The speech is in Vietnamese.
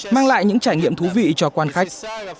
mang lại những trải nghiệm thú vị cho quan khách